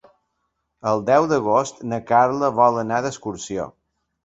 El deu d'agost na Carla vol anar d'excursió.